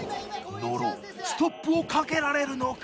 野呂ストップをかけられるのか？